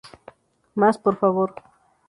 Más por favor.